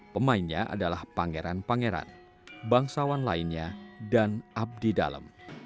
pemainnya adalah pangeran pangeran bangsawan lainnya dan abdi dalam